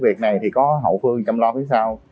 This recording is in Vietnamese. việc này thì có hậu phương chăm lo phía sau